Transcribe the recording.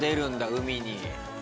海に。